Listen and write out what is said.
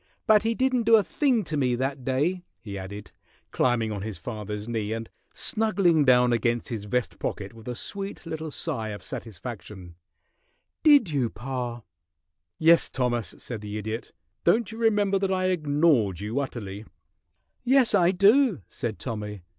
"But he didn't do a thing to me that day," he added, climbing on his father's knee and snuggling down against his vest pocket with a sweet little sigh of satisfaction. "Did you, pa?" "Yes, Thomas," said the Idiot. "Don't you remember that I ignored you utterly?" [Illustration: "'I'D RATHER BE SPANKED THAN NOT NOTICED AT ALL'"] "Yes, I do," said Tommy.